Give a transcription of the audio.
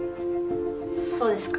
そうですか。